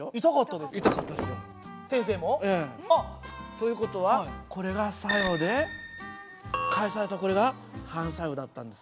という事はこれが作用で返されたこれが反作用だったんですよ。